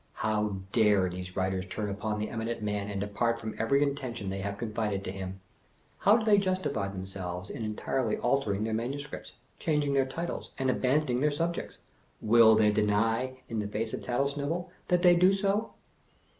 How dare those writers turn upon the eminent man and depart from every intention they have confided to him? How do they justify themselves in entirely altering their manuscripts, changing their titles, and abandoning their subjects? Will they deny, in the face of Tattlesnivel, that they do so?